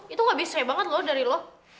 itu gak bisa banget loh dari lo